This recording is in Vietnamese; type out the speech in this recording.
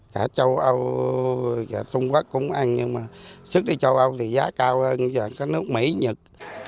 cả châu âu và trung quốc cũng ăn nhưng mà xuất đi châu âu thì giá cao hơn các nước mỹ nhật